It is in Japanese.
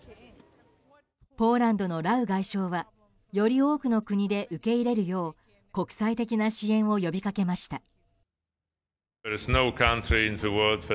ポーランドのラウ外相はより多くの国で受け入れるよう国際的な支援を呼びかけました。